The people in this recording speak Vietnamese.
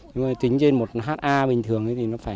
nhưng mà tính trên một ha bình thường